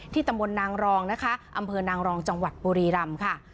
ตำบลนางรองนะคะอำเภอนางรองจังหวัดบุรีรำค่ะ